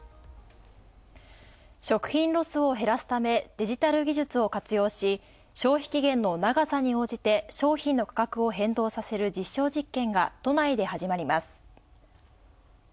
食品ロスを減らすため、デジタル技術を活用し消費期限の長さに応じて商品の価格を変動させる実証実験が都内で始まります。